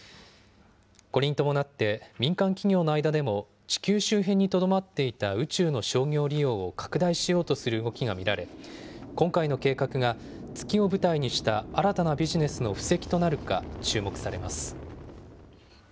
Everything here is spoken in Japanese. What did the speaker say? これに伴って、民間企業の間でも、地球周辺にとどまっていた宇宙の商業利用を拡大しようとする動きが見られ、今回の計画が月を舞台にした新たなビジネスの布石となるか注目されます。